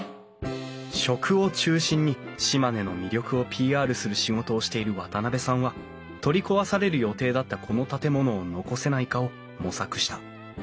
食を中心に島根の魅力をＰＲする仕事をしている渡部さんは取り壊される予定だったこの建物を残せないかを模索した。